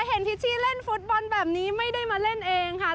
เห็นพิชชี่เล่นฟุตบอลแบบนี้ไม่ได้มาเล่นเองค่ะ